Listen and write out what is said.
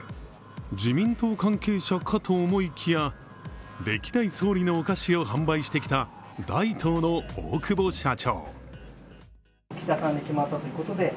自民党関係者かと思いきや、歴代総理のお菓子を販売してきた大藤の大久保社長。